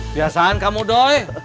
biasaan kamu doi